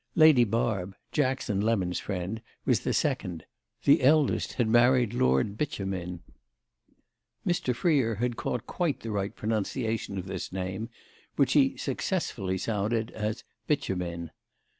Lady Barb, Jackson Lemon's friend, was the second; the eldest had married Lord Beauchemin. Mr. Freer had caught quite the right pronunciation of this name, which he successfully sounded as Bitumen.